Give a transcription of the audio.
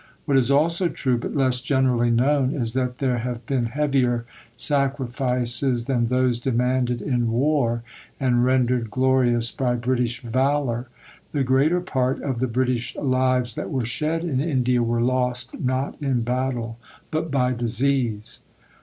What is also true, but less generally known, is that there have been heavier sacrifices than those demanded in war and rendered glorious by British valour. The greater part of the British lives that were shed in India were lost, not in battle, but by disease.